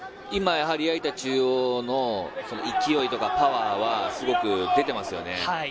今、矢板中央の勢いとかパワーはすごく出てますよね。